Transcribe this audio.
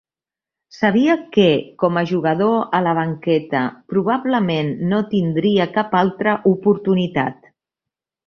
Sabia que, com a jugador a la banqueta, probablement no tindria cap altra oportunitat.